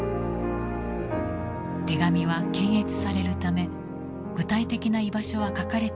手紙は検閲されるため具体的な居場所は書かれていなかった。